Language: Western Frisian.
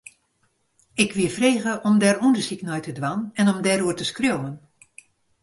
Ik wie frege om dêr ûndersyk nei te dwaan en om dêroer te skriuwen.